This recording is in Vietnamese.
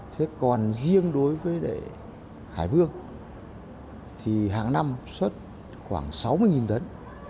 thế còn riêng đối với hải vương thì hàng năm xuất khoảng sáu mươi tấn